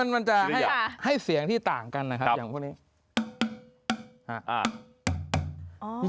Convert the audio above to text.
มันจะให้เสียงที่ต่างกันนะครับอย่างพวกนี้